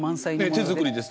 ええ手作りです